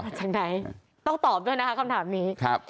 จากไหนต้องตอบด้วยนะคะคำถามนี้ครับ